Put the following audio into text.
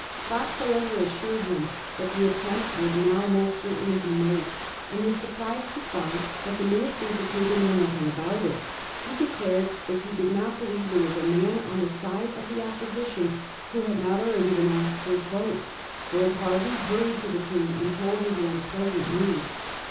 Fox, however, assured him that the attempt would now most certainly be made, and was surprised to find that the ministers appeared to know nothing about it. He declared that he did not believe there was a man on the side of the Opposition who had not already been asked for his vote. Lord Hervey hurried to the Queen and told her the un pleasant news.